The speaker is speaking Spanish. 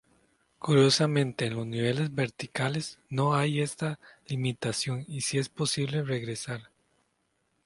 Curiosamente, en los niveles verticales, no hay esta limitación y si es posible regresar.